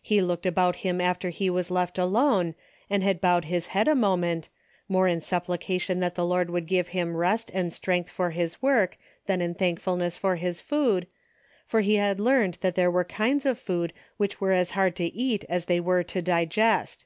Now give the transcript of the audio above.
He looked about him after he was left alone, and had bowed his head a mo ment, more in supplication that the Lord would give him rest and strength for his work, than in thankfulness for his food, for he 158 A DAILY RATE.''> had learned that there were kinds of food which were as hard to eat as they were to di gest.